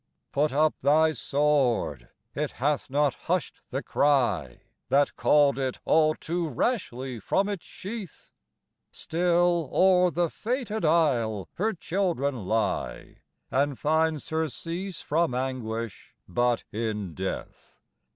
Put up thy sword. It hath not hushed the cry That called it all too rashly from its sheath; Still o'er the fated isle her children lie And find surcease from anguish but in death.